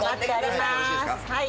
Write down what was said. はい。